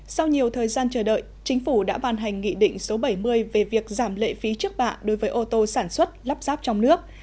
sau nhiều thời gian chờ đợi chính phủ đã bàn hành nghị định số bảy mươi về việc giảm lệ phí trước bạ đối với ô tô sản xuất lắp ráp trong nước